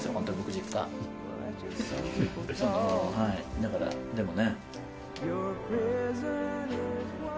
だからでもね。